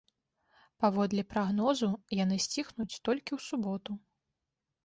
Паводле прагнозу, яны сціхнуць толькі ў суботу.